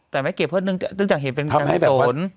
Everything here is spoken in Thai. แต่ไม่เก็บเพิ่มหนึ่งนึกจากเหตุเป็นการส่วน